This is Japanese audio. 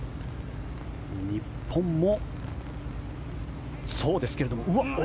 日本もそうですけれども。